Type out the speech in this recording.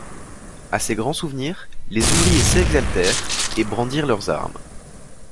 A ces grands souvenirs, les ouvriers s'exaltèrent et brandirent leurs armes.